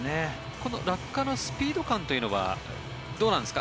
この落下のスピード感というのはどうなんですか？